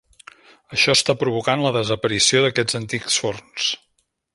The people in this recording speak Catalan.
Això està provocant la desaparició d'aquests antics forns.